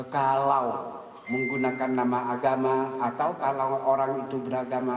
kalau menggunakan nama agama atau kalau orang itu beragama